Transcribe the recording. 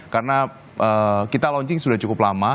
karena kita launching sudah cukup lama